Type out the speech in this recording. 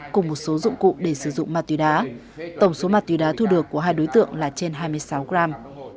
cùng một số dụng cụ để sử dụng ma túy đá tổng số ma túy đá thu được của hai đối tượng là trên hai mươi sáu gram